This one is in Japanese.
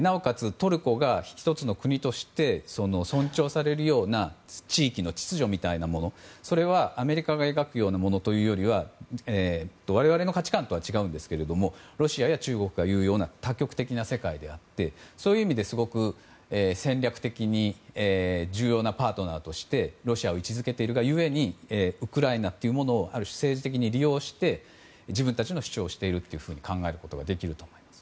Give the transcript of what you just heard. トルコが１つの国として尊重されるような地域の秩序みたいなものはアメリカが描くものというよりは我々の価値観とは違うんですがロシアや中国が言うような多極的な世界であってそういう意味ですごく戦略的に重要なパートナーとしてロシアを位置付けているが故にウクライナをある種、政治的に利用して自分たちの主張をしていると考えられます。